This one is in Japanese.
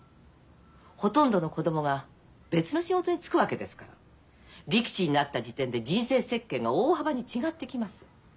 ほとんどの子供が別の仕事に就くわけですから力士になった時点で人生設計が大幅に違ってきます。